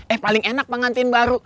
eh paling enak pengantin baru